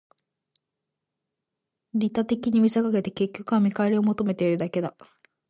利他的に見せかけて、結局は見返りを求めているだけだ